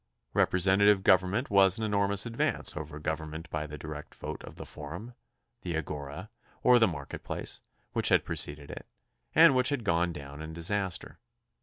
Representative government was an enormous advance over govern ment by the direct vote of the forum, the agora, or the market place, which had preceded it, and which had gone down in disaster.